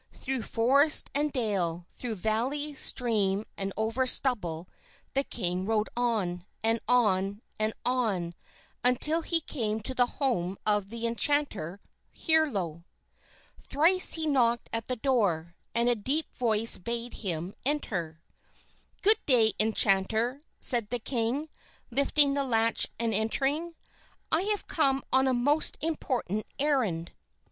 Through forest and dale, through valley, stream, and over stubble the king rode, on, and on, and on, until he came to the home of the enchanter, Herlo. Thrice he knocked at the door, and a deep voice bade him enter. "Good day, Enchanter," said the king, lifting the latch and entering; "I have come on a most important errand."